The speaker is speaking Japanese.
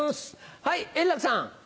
はい円楽さん。